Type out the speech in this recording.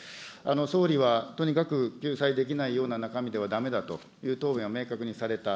総理はとにかく救済できないような中身ではだめだという答弁を明確にされた。